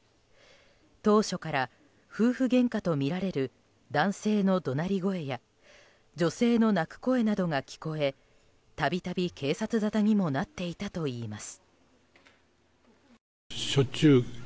当初から夫婦げんかとみられる男性の怒鳴り声や女性の泣く声などが聞かれ度々、警察沙汰にもなっていたといいます。